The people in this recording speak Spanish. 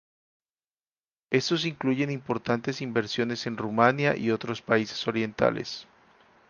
Estos incluyen importantes inversiones en Rumanía y otros países orientales.